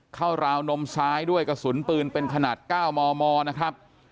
ราวนมซ้ายด้วยกระสุนปืนเป็นขนาด๙มมนะครับ